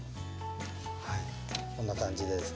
こんな感じでですね